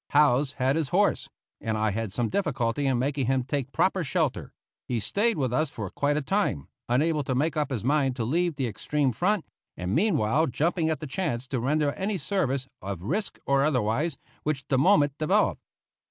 Howze had his horse, and I had some difficulty in making him take proper shelter; he stayed with us for quite a time, unable to make up his mind to leave the extreme front, and meanwhile jumping at the chance to render any service, of risk or otherwise, which the moment developed.